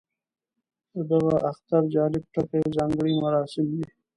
د دغه اختر جالب ټکی ځانګړي مراسم دي.